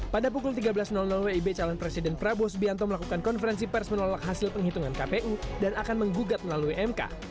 pada pukul tiga belas wib calon presiden prabowo subianto melakukan konferensi pers menolak hasil penghitungan kpu dan akan menggugat melalui mk